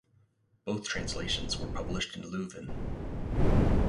Both translations were published in Leuven.